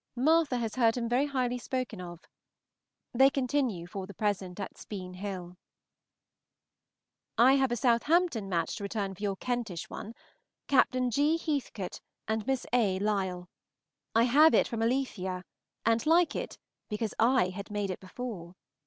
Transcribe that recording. Martha has heard him very highly spoken of. They continue for the present at Speen Hill. I have a Southampton match to return for your Kentish one, Captain G. Heathcote and Miss A. Lyell. I have it from Alethea, and like it, because I had made it before.